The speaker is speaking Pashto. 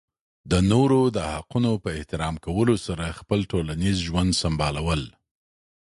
د نورو د حقونو په احترام کولو سره خپل ټولنیز ژوند سمبالول.